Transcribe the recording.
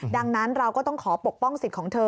ดังนั้นเราก็ต้องขอปกป้องสิทธิ์ของเธอ